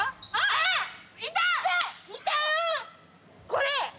これ！